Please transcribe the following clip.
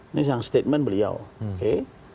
ini yang statement beliau oke